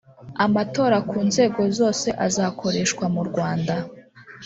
amatora ku nzego zose azakoreshwa mu rwanda